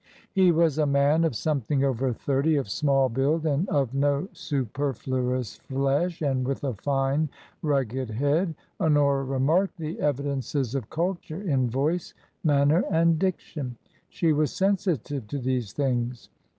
He was a man of something over thirty, of small build, and of no superfluous flesh, and with a fine, rugged head. Honora remarked the evidences of culture in voice, manner, and diction; she was sensitive to these things.